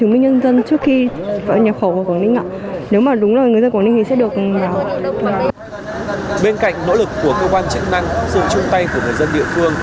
bên cạnh nỗ lực của cơ quan chức năng sự chung tay của người dân địa phương